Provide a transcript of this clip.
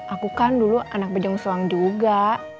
aku kan dulu anak pejang suang juga